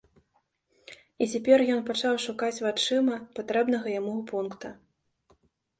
І цяпер ён пачаў шукаць вачыма патрэбнага яму пункта.